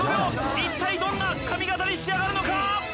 一体どんな髪形に仕上がるのか！？